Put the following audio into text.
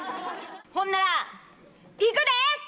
ほんならいくで！